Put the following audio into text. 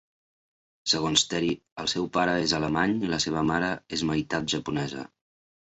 Segons Teri, el seu pare és alemany i la seva mare és meitat japonesa.